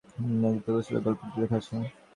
নদীতে গোসলের গল্পটি লেখা আছে।